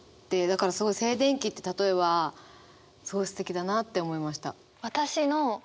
だからすごい「静電気」って例えはすごいすてきだなって思いました。